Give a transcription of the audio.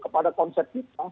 kepada konsep kita